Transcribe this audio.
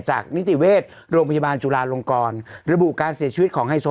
นิติเวชโรงพยาบาลจุลาลงกรระบุการเสียชีวิตของไฮโซ